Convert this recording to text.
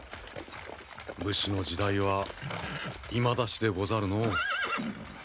武士の時代はいまだしでござるのう。